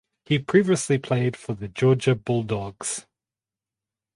He previously played for the Georgia Bulldogs.